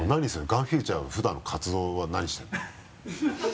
ガンフューチャーの普段の活動は何してるの？